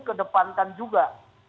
ini di kedepankan juga